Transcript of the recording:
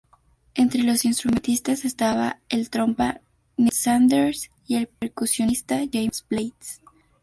Entre los instrumentistas estaba el trompa Neill Sanders y el percusionista James Blades.